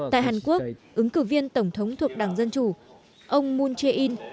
tại hàn quốc ứng cử viên tổng thống thuộc đảng dân chủ ông moon jae in